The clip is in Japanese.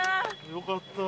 よかった。